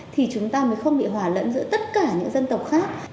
thì chúng ta mới không bị hòa lẫn giữa tất cả những dân tộc khác